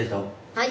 はい！